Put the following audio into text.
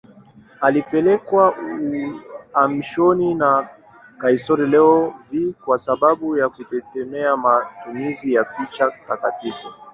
Alipelekwa uhamishoni na kaisari Leo V kwa sababu ya kutetea matumizi ya picha takatifu.